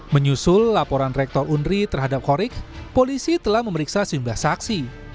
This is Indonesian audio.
menyusul laporan rektor undri terhadap horik polisi telah memeriksa sembah saksi